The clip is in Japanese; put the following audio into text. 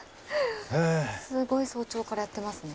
すごい早朝からやってますね。